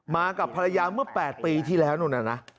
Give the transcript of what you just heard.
มากับภรรยาเมื่อ๘ปีที่แล้วนู่นน่ะนะ